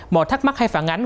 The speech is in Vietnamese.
mọi thắc mắc hay phản ánh